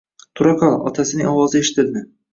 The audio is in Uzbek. Turaqol otasining ovozi eshtildi